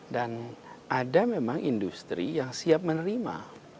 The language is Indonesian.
dan ada memang industri yang siap menerima